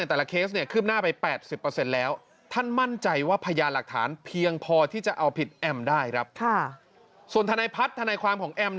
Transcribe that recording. แต่ละเคสขึ้นหน้าไป๘๐แล้ว